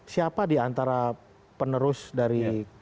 siapa di antara penerus dari